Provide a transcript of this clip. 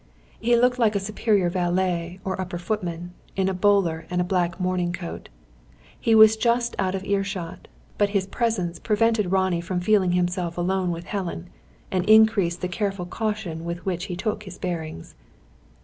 He looked like a superior valet or upper footman, in a bowler and a black morning coat. He was just out of earshot; but his presence prevented Ronnie from feeling himself alone with Helen, and increased the careful caution with which he took his bearings.